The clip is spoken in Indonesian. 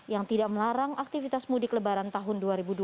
yang tidak melarang aktivitas mudik lebaran tahun dua ribu dua puluh